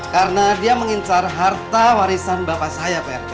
karena dia mengincar harta warisan bapak saya pak rete